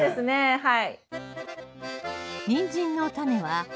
はい。